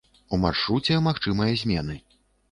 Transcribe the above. У маршруце магчымыя змены.